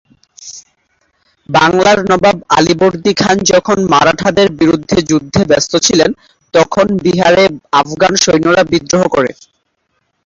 বাংলার নবাব আলীবর্দী খান যখন মারাঠাদের বিরুদ্ধে যুদ্ধে ব্যস্ত ছিলেন, তখন বিহারে আফগান সৈন্যরা বিদ্রোহ করে।